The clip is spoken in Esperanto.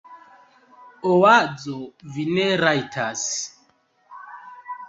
Oazo: "Vi ne rajtas."